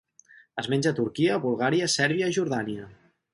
Es menja a Turquia, Bulgària, Sèrbia i Jordània.